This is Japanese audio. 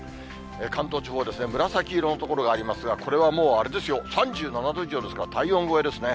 関東地方ですね、紫色の所がありますが、これはもうあれですよ、３７度以上ですから、体温超えですね。